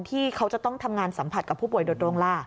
ที่เขาจะต้องทำงานสัมผัสกับผู้ป่วยโดยตรงล่ะ